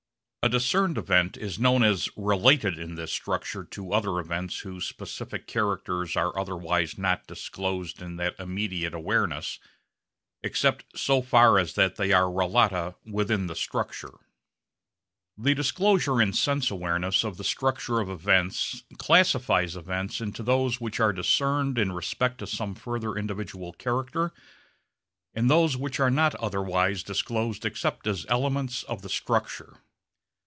A discerned event is known as related in this structure to other events whose specific characters are otherwise not disclosed in that immediate awareness except so far as that they are relata within the structure. The disclosure in sense awareness of the structure of events classifies events into those which are discerned in respect to some further individual character and those which are not otherwise disclosed except as elements of the structure.